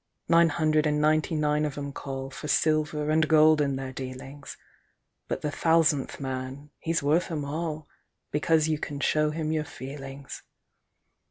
Nine hundred and ninety nine of 'em callFor silver and gold in their dealings; But the Thousandth Man he's worth 'em all, Because you can show him your feelings.